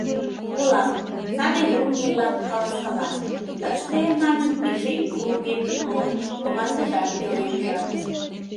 Колам, саде Врунгельлан каласкалат: тыште, маныт, эше ик Врунгель уло, командыжат пеленжак.